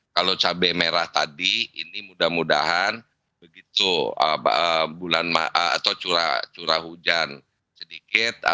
kalau cabai merah tadi ini mudah mudahan begitu bulan atau curah hujan sedikit